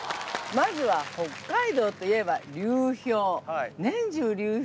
まずは北海道といえば流氷。